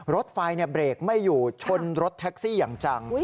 รถไฟเบรกไม่อยู่ชนรถแท็กซี่อย่างจัง